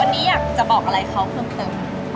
วันนี้อยากจะบอกอะไรเขาเพิ่มเติม